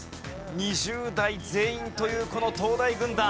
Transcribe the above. ２０代全員というこの東大軍団。